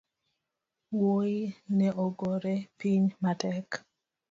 Wuoi ne ogore piny matek